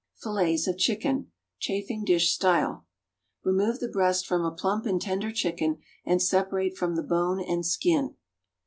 =Fillets of Chicken.= (Chafing dish Style.) Remove the breast from a plump and tender chicken and separate from the bone and skin.